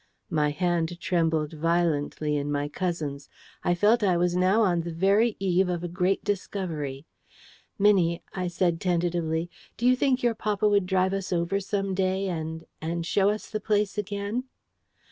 My hand trembled violently in my cousin's. I felt I was now on the very eve of a great discovery. "Minnie," I said, tentatively, "do you think your papa would drive us over some day and and show us the place again?"